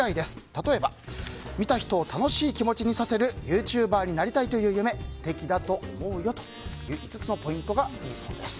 例えば見た人を楽しい気持ちにさせるユーチューバーになりたいという夢素敵だと思うよという５つのポイントがいいそうです。